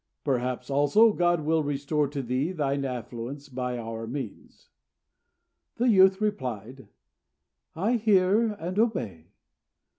Perhaps, also, God will restore to thee thine affluence by our means." The youth therefore replied, "I hear and obey."